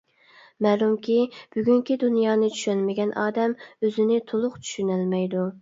مەلۇمكى، بۈگۈنكى دۇنيانى چۈشەنمىگەن ئادەم ئۆزىنى تولۇق چۈشىنەلمەيدۇ.